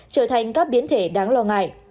trở thành các biến thể đáng lo ngại